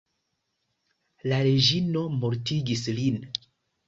La reĝino mortigis lin.